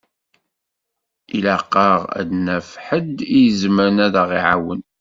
Ilaq-aɣ ad d-naf ḥedd i izemren ad ɣ-iɛawen.